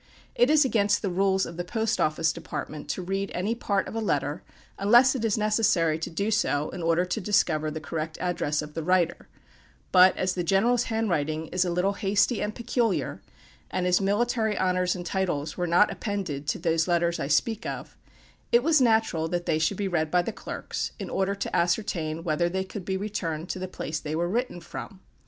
It is against the rules of the post office department to read any part of a letter, unless it is necessary to do so in order to discover the correct address of the writer; but, as the general's handwriting is a little hasty and peculiar, and his military honors and titles were not appended to these letters I speak of, it was natural that they should be read by the clerks, in order to ascertain whether they could be returned to the place they were written from.